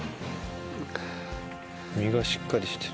身がしっかりしてる。